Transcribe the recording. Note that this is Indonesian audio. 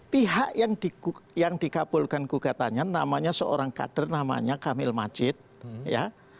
pihak yang dikabulkan gugatannya namanya seorang kader namanya kamil majid ya